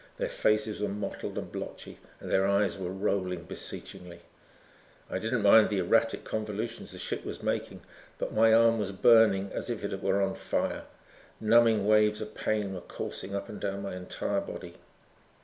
Their faces were mottled and blotchy and their eyes were rolling beseechingly. I didn't mind the erratic convolutions the ship was making but my arm was burning as if it were on fire. Numbing waves of pain were coursing up and down my entire body.